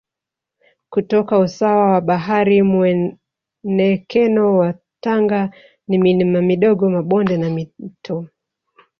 kutoka usawa wa bahari Muonekeno wa Tanga ni milima midogo mabonde na Mito